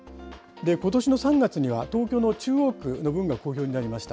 ことしの３月には、東京の中央区の分が公表になりました。